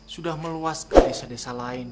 sudah meluas ke desa desa lain